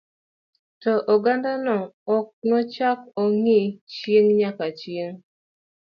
To ogandano, ok nochak ongi chieng nyaka chieng